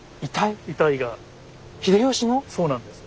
そうなんです。